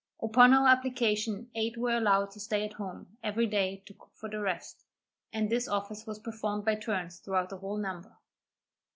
Upon our application eight were allowed to stay at home every day to cook for the rest, and this office was performed by turns throughout the whole number.